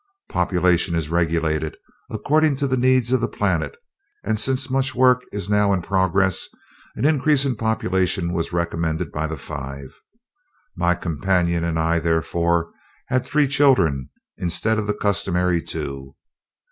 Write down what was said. Population is regulated according to the needs of the planet, and since much work is now in progress, an increase in population was recommended by the Five. My companion and I therefore had three children, instead of the customary two.